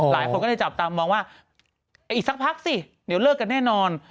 หลายคนก็ได้จับตามมองว่าอีกสักพักสิเดี๋ยวเลิกกันแน่นอน